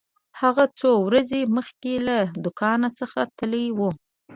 هغه څو ورځې مخکې له دکان څخه تللی و.